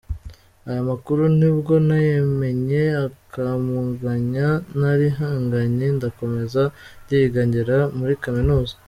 Aya makuru ni ubwo nayamenye akampuganya narihanganye ndakomeza ndiga ngera muri kaminuza.